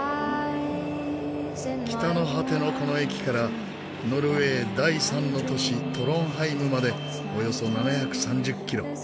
北の果てのこの駅からノルウェー第３の都市トロンハイムまでおよそ７３０キロ。